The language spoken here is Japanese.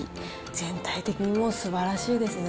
全体的にもうすばらしいですね。